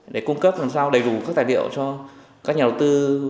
để cung cấp đầy đủ các tài liệu cho các nhà đầu tư